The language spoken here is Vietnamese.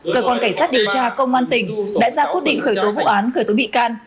cơ quan cảnh sát điều tra công an tỉnh đã ra quyết định khởi tố vụ án khởi tố bị can